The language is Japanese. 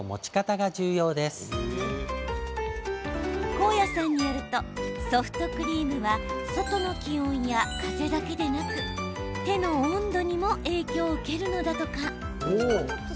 甲谷さんによるとソフトクリームは外の気温や風だけでなく手の温度にも影響を受けるのだとか。